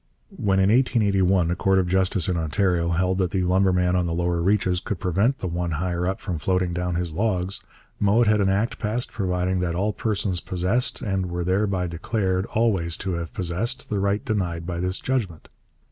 When in 1881 a court of justice in Ontario held that the lumberman on the lower reaches could prevent the one higher up from floating down his logs, Mowat had an act passed providing that all persons possessed, and were thereby declared always to have possessed, the right denied by this judgment.